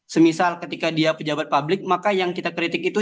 semisal ketika dia pejabat publik maka yang kita kritik itu